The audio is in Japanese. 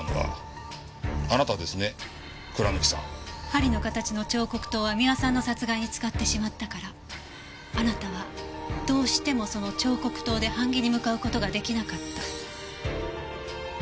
針の形の彫刻刀は三輪さんの殺害に使ってしまったからあなたはどうしてもその彫刻刀で版木に向かう事が出来なかった。